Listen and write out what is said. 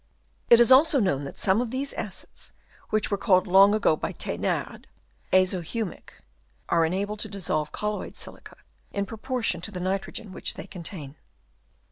It is also known that some of these acids, which were called long ago by The'nard azo humic, are enabled to dissolve colloid silica in proportion to the nitrogen which they contain.